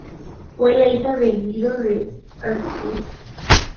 Fue la hija de Guido de Arsuf.